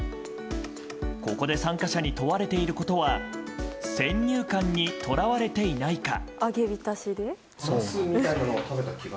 ここで参加者に問われていることは先入観にとらわれていないか。